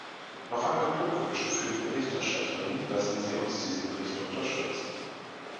Noch einmal Glückwünsche für die Berichterstatterin, lassen Sie uns diesen Bericht unterstützen.